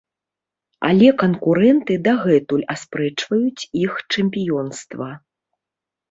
Але канкурэнты дагэтуль аспрэчваюць іх чэмпіёнства.